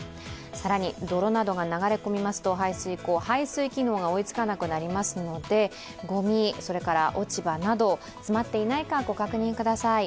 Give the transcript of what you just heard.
更に泥などが流れ込みますと、排水溝、排水機能が追いつかなくなりますので、ごみ、落ち葉など詰まっていないかご確認ください。